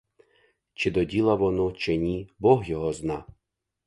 Чи до діла воно, чи ні — бог його зна.